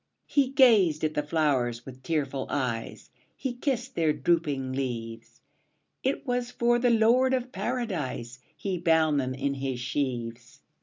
'' He gazed at the flowers with tearful eyes, He kissed their drooping leaves; It was for the Lord of Paradise He bound them in his sheaves.